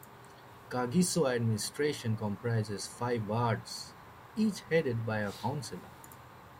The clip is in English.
Kagiso's administration comprises five wards, each headed by a councillor.